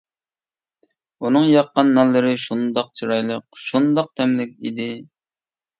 ئۇنىڭ ياققان نانلىرى شۇنداق چىرايلىق، شۇنداق تەملىك ئىدى.